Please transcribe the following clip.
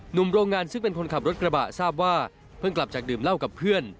หนุ่มโรงงานซึ่งเป็นคนขับรถกระบะทราบว่าเพิ่งกลับจากดื่มเหล้ากับเพื่อน